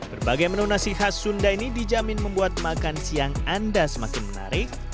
berbagai menu nasi khas sunda ini dijamin membuat makan siang anda semakin menarik